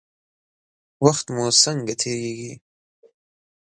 وخت مو څنګه تیریږي؟